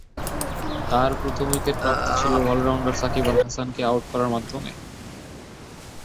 তার প্রথম উইকেট প্রাপ্তি ছিল অল-রাউন্ডার সাকিব আল হাসানকে আউট করার মাধ্যমে।